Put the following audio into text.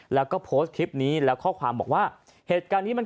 แล้วก็โพสต์คลิปนี้แล้วข้อความบอกว่าเหตุการณ์นี้มัน